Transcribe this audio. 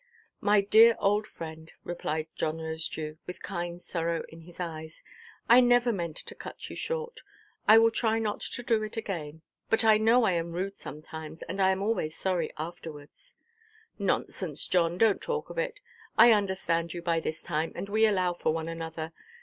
"My dear old friend," replied John Rosedew, with kind sorrow in his eyes, "I never meant to cut you short. I will try not to do it again. But I know I am rude sometimes, and I am always sorry afterwards." "Nonsense, John; donʼt talk of it. I understand you by this time; and we allow for one another.